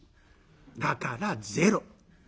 だからゼロ。